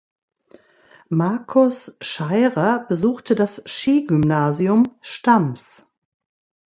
Markus Schairer besuchte das Skigymnasium Stams.